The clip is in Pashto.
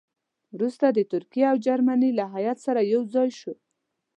وروسته د ترکیې او جرمني له هیات سره یو ځای شو.